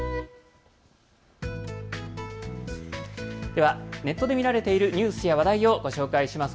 ではネットで見られているニュースや話題をご紹介します。